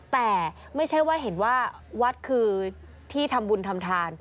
แต่ไม่ใช่ว่าเห็นว่าวัดคือที่ทำบุญทำทาน